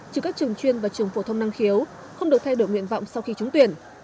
trừ các trường chuyên và trường phổ thông năng khiếu không được thay đổi nguyện vọng sau khi trúng tuyển